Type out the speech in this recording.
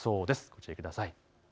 ご注意ください。